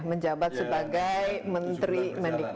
menjabat sebagai menteri pendidikan